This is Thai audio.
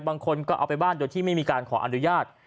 บางคนก็เอาไปบ้านโดยที่ไม่มีการขออนุญาต